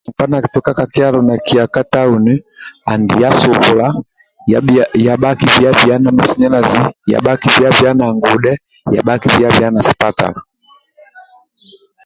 Mkpa nakikituka ka kyalo na kia ka tauni andibya subula ya bhaki bhiya bhiya na masanyalazi y bhaki bhiya bhiya na ngudhe ya bhaki bhiya bhiya na sipatala